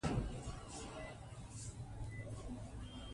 دا نوښتونه د ټولنې پرمختګ ته لاره هواروي.